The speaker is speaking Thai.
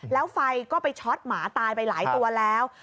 แล้วไฟก็ไปช็อตหมาตายไปหลายตัวแล้ว